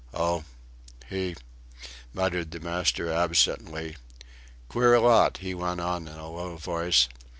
"O! he!" muttered the master, absently. "Queer lot," he went on in a low voice.